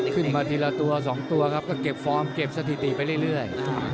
ขึ้นมาทีละตัว๒ตัวครับก็เก็บฟอร์มเก็บสถิติไปเรื่อย